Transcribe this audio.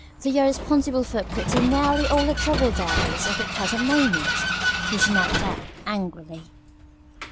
"They are responsible for pretty nearly all the trouble there is at the present moment," he snapped out, angrily.